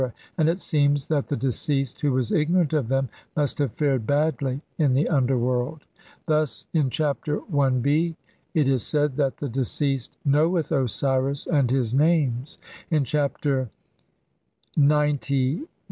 and it seems that the deceased who was ignorant of them must have fared badly in the underworld. Thus in Chapter Ib (see p. 24) it is said that the deceased knoweth Osiris and his names ; in Chapter XCIX (see p.